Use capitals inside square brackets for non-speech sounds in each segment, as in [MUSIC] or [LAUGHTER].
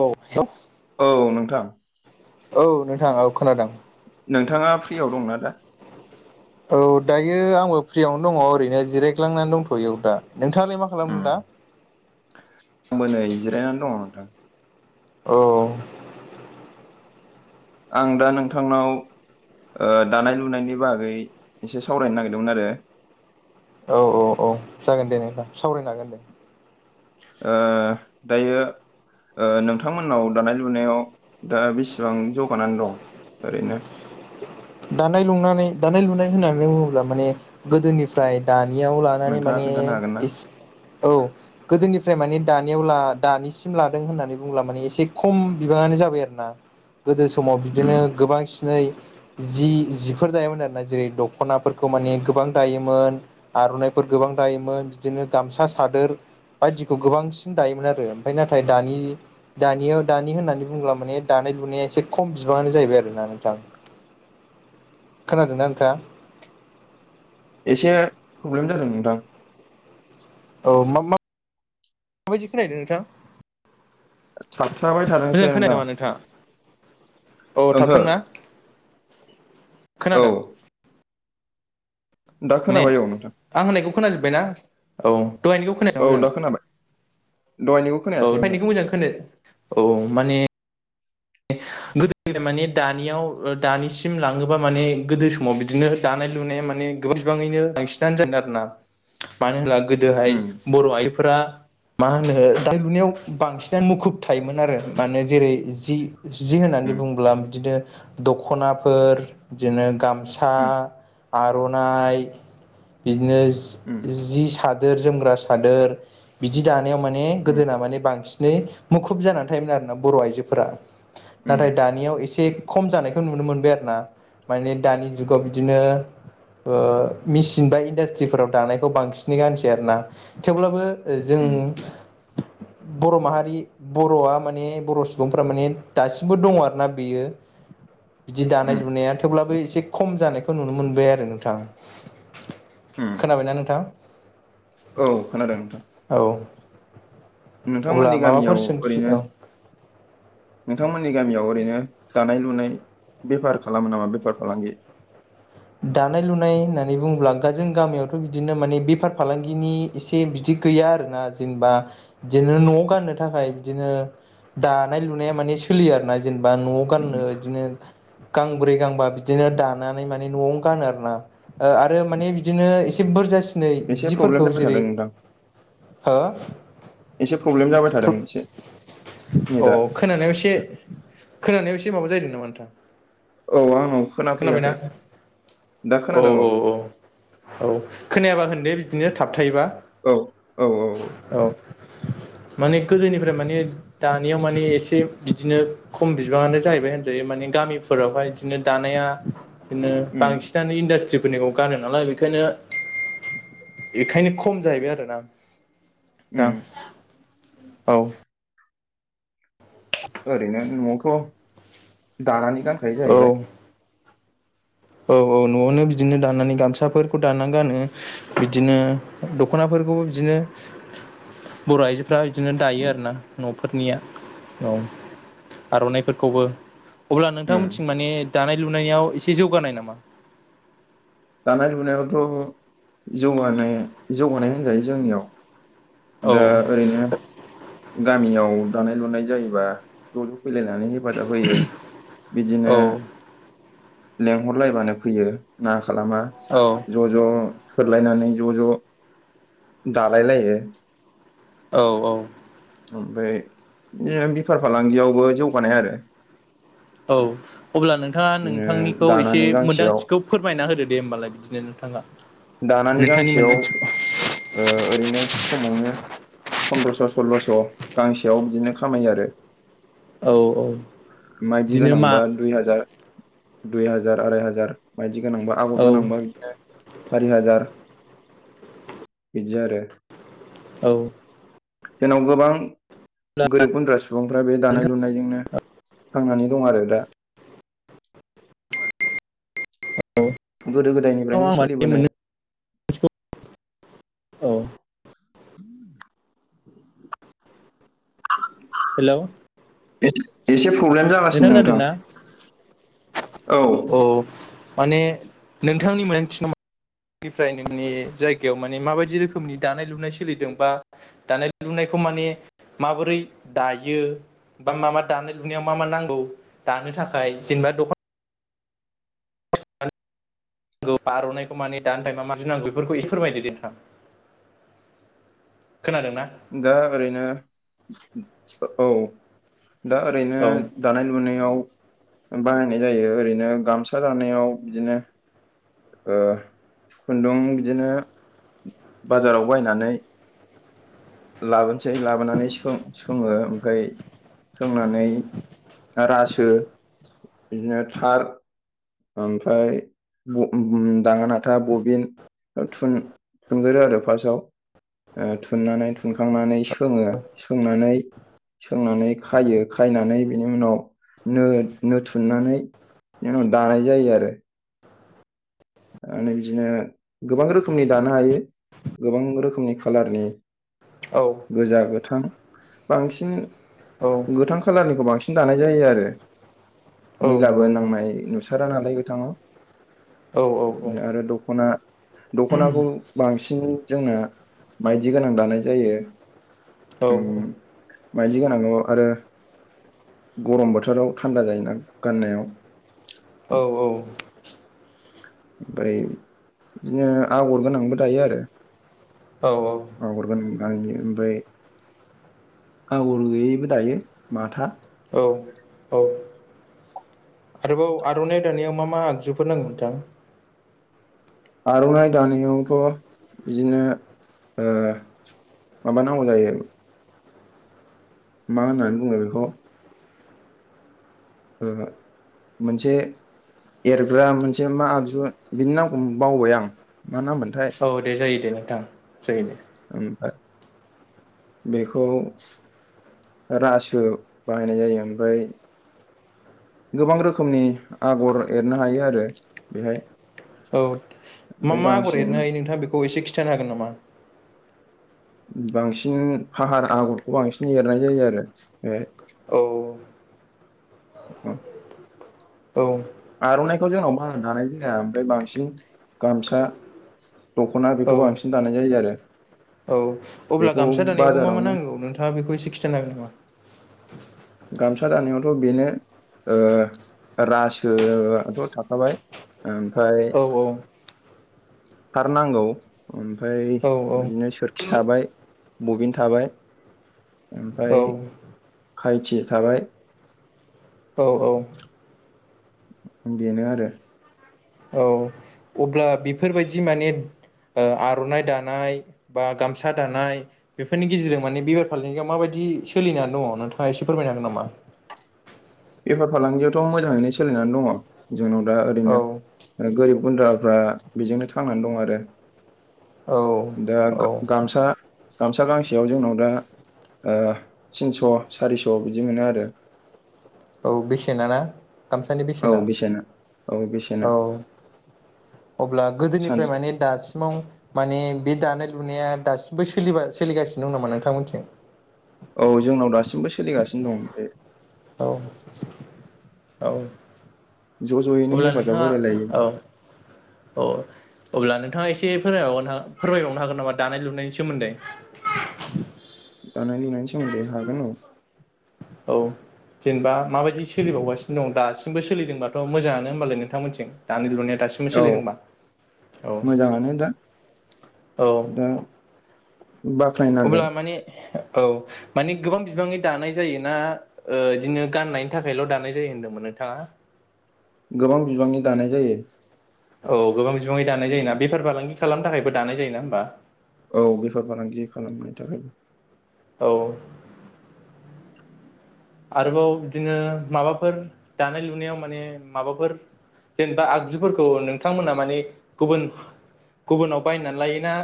औ हेलौ औ नोंथां औ नोंथां औ खोनादों नोंथाङा फ्रियाव दंना दा औ दायो आंबो फ्रियावनो दङ ओरैनो जिरायग्लांनानै दंथ'यो दा नोंथाङालाय मा उम खालामदों दा आंबो नै [INAUDIBLE] औ आं दा नोंथांनाव दानाय लुनायनि बागै एसे सावरायनो नागिरदोंमोन आरो औ औ औ जागोन दे नों होमबब्ला सावरायनो हागोन दे दायो नोंथांमोननाव दानाय लुनायाव दा बेसेबां जौगानानै दं ओरैनो दानाय लुनानै दानाय लुनाय होननानै बुङोब्ला माने गोदोनिफ्राय द लानानै नोंथाङा माने खोन्थानो हागोन ना? औ गोदोनिफ्राय माने दानियाव दानिसिम लादों होननानै बुंला माने एसे खम बिबाङानो जाबाय आरोना गोदो समाव उम बिदिनो गोबांसिनै जि जिफोर दायोमोन आरो ना जेरै दखनाफोरखौ माने गोबां दायोमोन आर'नाइफोर गोबां जायोमोन बिदिनो गामसा सादोर बायदिखौ गोबांसिन दायोमोन आरो ओमफ्राय नाथाय दानि दानियाव दानि होननानै बुङोब्ला माने दानि दानाय लुनाया एसे खम बिबाङानो जाहैबाय आरोना नोंथां खोनादोंना नोंथाङा? एसे प्रब्लेम जादों नोंथां । औ मा मा माबायदि खोनाहैदो नोंथां? थाबथाबाय मोजां थादोंसै खोनादों नोंथां। नामा नोंथाङा औ ओंहो थाबदोंना? औ खोनादों? दा मे खोनाबाय औ नोंथां आं होननायखौ खोनाजोब्बाय ना औ दहायनिखौ औ खोनानाया दा खोनाबाय दहायनिखौ औ खोनायासै ओंहो दाहायनिखौ मोजां खोनाय औ माने [INAUDIBLE] गोदो गोदाय माने दानियाव दानिसिम लाङोबा माने गोदो समाव बिदिनो दानाय लुनाया माने गोबां बिबाङैनो बांसिननो जायोमोन आरेना मानो होनोब्ला उम गोदोहाष बर' आइजोफोरा मा होनो दा लुनायाव बांसिनानो मुखुब थायोमोन आरो माने जेरै जि होननानै उम बुङोब्ला बिदिनो दख'नाफोर बिदिनो गामसा उम आर'नाइ बिदिनो उम जि सादोर जोमग्रा सादोर बिदि दानायाव माने उम गोदोना माने बांसिन नै मुखुब जानानै थायोमोन आरोना बर' आइजोफोरा उम नाथाय दानियाव एसे खम जानायखौ नुनो मोनबाय आरो ना माने दानि जुगाव बिदिनो मेसिन बा इन्डास्ट्रिफोराव दानायखौ बांसिनै गानसै आरोना थेवब्लाबो उम जों बर' माहारि बर'आ माने बर' सुबुंफ्रा माने दासिमबो दङ आरो ना बेयो बिदि दानाय उम लुनाया थेवब्लाबो एसे खम खम जानायखौ नुनो मोनबाय आरो नोंथां उम खोनाबायना नोंथां? औ खोनादों नोंथां। औ अब्ला नोंथांमोननि माबाफोर गामियाव सोंथि ओरैनो औ नोंथांमोननि गामियाव ओरैनो दानाय लुनाय बेफार खालामो नामा बेफार फालांगि दानाय लुनाय होननानै बुङोब्ला जों गामियावथ' बिदिनो माने बेफार फालांगिनि एसे बिदि गैया आरोना जेनेबा बिदिनो न'आव गाननो थाखाय बिदिनो दानाय लुनाया माने सोलियो आरोना जेनेबा न' गाननो उम इदिनो गांब्रै गांबा बिदिनो दानानै मा न'आवनो गोनो आरोना आरो माने बिदिनो एसे बुरजासिनै एसे प्रब्लेम जिफोरखौ जाबाय जेरै थादों नोंथां हो एसे प्रब्लेम जाबाय थादों एसे अ नेटआ खोनानायाव एसे खोनानायाव एसे माबा जाहैदों नामा नोंथां? औ आंनाव खोनाबायना खोनाफैयाखै दा औ खोनादों औ औ औ खोनायाबा होनदे बिदि। बिदिनो थाब थायोबा औ औ औ औ माने गोदोनिफ्राय माने दानियाव माने एसे बिदिनो खम बिबाङानो जाहैबाय होनजायो माने गामिफोरावहाय इदिनो दानाया इदिनो उम बांसिनानो इन्दास्त्रि फोरनिखौ गानो नालाय बेखायनो बेखायनो खम जाहैबाय आरो ना? उम औ ओरैनो नआवथ दानानै गानखायो औ जाहैबाय। औ औ नआवनो बिदिनो दानानै गामसाफोरखौ दाना गानो बिदिनो दखना फोरखौ फोरफोरखौबो बिदिनो बर'आइजोफ्रा इदिनो दायो उम आरोना नफोरनिया औ आरनाइफोरखौबो अब्ला उम नोंथांमोनथिं माने दानाय लुनायाव एसे जौगानाय नामा दानाय लुनायावथ' जौगानाय जौगानाय होनजायो जोंनियाव दा ओरैनो गामियाव दानाय लुनाय जायोबा ज‌ ज फैलायनानै हेफाजाब होयो बिदिनो औ लेंहरलायबानो फैयो ना खालामा औ ज ज थोरलायनानै ज ज दालायलायो औ औ ओमफ्राय इयो बिफार फालांगियावबो जौगानाय आरो औ अब्ला नोंथाङा बिदिनो नोंथांनिखौ एसे दानानै गांसेयाव मोनदांथिखौ फोरमायना होदो दे होमबालाय बिदिनो नोंथाङा दानानै नोंथांनि गांसेयाव मोन्दांथिखौ ओ ओरैनो खमावनो पन्द्रस सल्लस गांसेयाव बिदिनो खामायो आरो औ औ माइदि बिदिनो गोनांबा मा दुइ हाजार दुइ हाजार आराय हाजार बायदि गोनांबा आगर औ गोनांबा बिदिनो सारि हाजार बिदि आरो औ जोंनाव गोबां गोरिब गुन्द्रा सुबुंफ्रा बे दानाय लुनायजोंनो थांनानै दं आरो दा गोदो गोदायनिफ्रायनो सोलिबोनाय औ हेलौ एस एसे प्रब्लेम जागासिनो नोंथां औ माने नोंथांनि मोन्दांथिनाव निफ्राय नोंनि जायगायाव माने माबायदि रोखोमनि दानाय लुनाय सोलिदों बा दानाय लुनाय खौ माने माबोरै दायो बा मा मा दानाय लुनायाव मा मा नांगौ दानो थाखाय जेनेबा दख नांगौ आरनायखौ माने दानि टाइमा माबदि नांगौ बेफोरखौ इसे फोरमायदो दे नोंथां [INAUDIBLE] खोनादोंना दा ओरैनो औ दा ओरैनो औ दानाय लुनायाव बाहायनाय जायो ओरैनो गामसा दानायाव बिदिनो ओ खुन्दुं बिदिनो बाजाराव बायनानै [INAUDIBLE] लाबोनोसै लाबोनानै सो-सोङो ओमफ्राय सोंनानै रासो बिदिनो थार ओमफ्राय उम-उगोम दाङा नाथा बबिन ओ थुन-थुनगोरो आरो फार्स्टआव ओ थुननानै थुनखांनानै सोङो सोंनानै सोंनानै खाइयो खायनानै बिनि उनाव नो नो थुननानै बेनि उनाव दानाय जायो आरो ओ बिदिनो गोबां रोखोमनि दानो हायो गोबां रोखोमनि खालारनि औ गोजा गोथां बांसिन औ गोथां खालारनिखौ बांसि बांसिन दानाय जायो आरो औ नंगौ मैलाबो नोंथां नांनाय नुसारा नालाय गोथाङाव औ औ आरो दख'ना दख'नाखौ बांसिन जोंना मायदि गोनां दानाय जायो औ मायदि गोनां आरो गरम बोथोराव थान्दा जायोना गाननायाव औ ओमफ्राय बिदिनो आगर गोनांबो दायो आरो औ आगर गोन नां ओमफाय आगर गैयैबो दायो माथा औ औ आरोबाव आर'नाइ दानायाव मा मा आगजुफोर नांगौ नोंथां आर'नाइ दानायावथ' बिदिनो ओ माबा नांगौ जायो। मा होन्नानै बुङो बेखौ ओ मोनसे एरग्रा मोनसे मा आगजु बिनि नामखौ बावबाय आं मा नाममोनथाय औ दे जायो दे नोंथां जायो दे ओमफा बेखौ रासो बाहायनाय जायो ओमफाय गोबां रोखोमनि आगर एरनो हायो आरो बेहाय औ मा ओमफ्राय मा आगर बांसिन एरनो हायो नोंथाङा बेखौ एसे खिथानो हागोन नामा? बांसिन फाहार आगरखौ बांसिन एरनाय जायो आरो ओ औ औ औ आर'नाइखौ जोंनाव बारा दानाय जाया आमफाय बांसिन गामसा दख'ना औ बेखौ बांसिन दानाय जायो आरो। औ अब्ला बेखौ गामसा दानायावबो मा मा बाजारावनो नांगौ नोंथाङा बेखौ एसे खिथानो हागोन नामा? गामसा दानायावथ' बेनो ओ रासो आथ' थाखाबाय ओम औ औ थारनांगौ ओमफ्राय औ बिदिनो सोरखि थाबाय बबिन थाबाय ओमफाय खायथि थाबाय औ औ औ बेनो आरो औ अब्ला बेफोरबायदि माने ओ आर'नाइ दानाय बा गामसा दानाय बेफोरनि गेजेरजों माने बेफार फालांगियाव माबायदि दि सोलिनानै दङ नोंथाङा एसे फोरमायनो हागोन नामा? बेफार फालांगियावथ' मोजाङैनो सोलिनानै दङ जोंनाव दा ओरैनो औ ओ गोरिब गुन्द्राफ्रा बेजोंनो थांनानै दं आरो। औ दा औ गा-गामसा गामसा गांसेयाव जोंनाव दा ओ तिनस' सारिस' बिदि मोनो आरो। औ बेसेनाना? औ बेसेना औ बेसेना। औ अब्ला सान गोदोनिफ्राय माने दासि माव माने बे दानाय लुनाया दासिमबो सोलिबा सोलिगासिनो दं नामा नोंथांमोननिथिं? औ जोंनाव दासिमबो सोलिगासिनो दं बे औ औ ज' ज'यैनो अब्ला हेफाजाब नोंथाङा होलाय लायो। औ औ अब्ला नोंथाङा एसे फोरमायबावगोना फोरमायबावनो हागोन नामा दानाय लुनायनि सोमोन्दै दानाय लुनायनि सोमोन्दै हागोन औ औ जेनेबा माबायदि सोलिबावगासिनो दं दासिमबो सोलिदोंबाथ' मोजांआनो होमबालाय नोंथांमोनथिं दानाय लुनाया दासिमबो औ सोलिदोंबा औ मोजाङानो दा औ दा अब्ला बाख्नायनांगोन माने औ मानि गोबां बिबाङै दानाय जायोना ओ इदिनो गाननायनि थाखायल' दानाय जायो होन्दोंमोन नोंथांआ? गोबां बिबांनि दानाय जायो। औ गोबां बिबाङै दानाय जायोना बेफार फालांगि खालामनो थाखायबो दानाय जायोना होमबा औ बेफार फालांगि खालामनायनि थाखायबो औ आरोबाव बिदिनो माबाफोर दानाय लुनायाव माने माबाफोर जेनेबा आगजुफोरखौ नोंथांमोना माने गुबुन गुबुनाव बायनानै लाययोना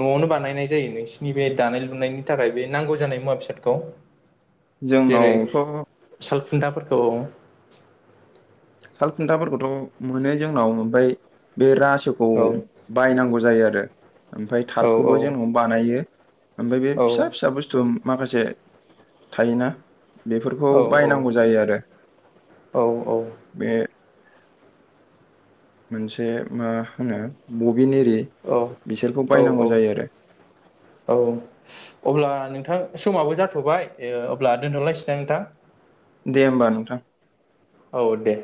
न'आवनो बानायनाय जायो नोंसिनि बे दानाय लुनायनि थाखाय बे नांगौ जानाय मुवा बेसादखौ? जेरै जोंनावथ' सालखुन्थाफोरखौ सालखुन्थाफोरखौथ' मोनो जोंनाव ओमफ्राय बे रा सो बुस्थुखौ औ बायनांगौ जायो आरो ओमफ्राय औ औ थारखौबो जोंनाव बानायो। ओमफ्राय बे औ फिसा फिसा बुस्थु माखासे थायोना बेफोरखौ औ बायनांगौ जायो आरो। औ बे मोनसे मा होनो बिन एरि बिसोरखौ औ बायनांगौ औ जायो आरो। औ अब्ला नोंथां समाबो जाथ'बाय ओ अब्ला दोनथ'लायसैदां नोंथां? दे होमबा नोंथां। औ दे।